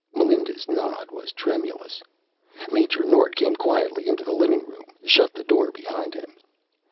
Melinda's nod was tremulous. Major Nord came quietly into the living room, shut the door behind him.